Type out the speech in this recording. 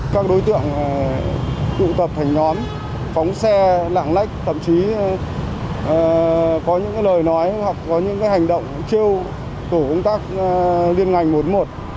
các đối tượng tụ tập thành nhóm phóng xe lạng lách thậm chí có những lời nói hoặc có những hành động chiêu tổ công tác liên ngành một